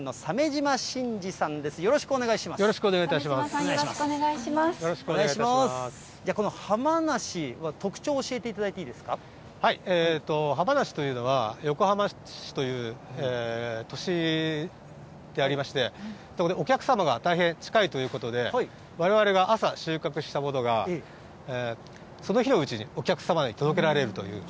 鮫島さん、よろしくお願いしじゃあ、この浜なしは特徴をはま梨というのは、横浜市という都市でありまして、そこでお客様が大変、近いということで、われわれが朝収穫したものが、その日のうちにお客様に届けられるという。